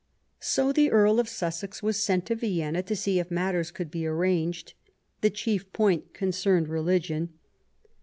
So the Earl of Sussex was sent to Vienna to see if matters could be arranged. The chief point con cerned religion.